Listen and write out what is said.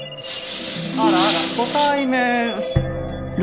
あらあらご対面。